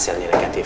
ya ampun dokter